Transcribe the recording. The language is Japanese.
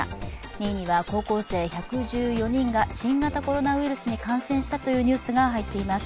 ２位には、高校生１１４人が新型コロナウイルスに感染したというニュースが入っています。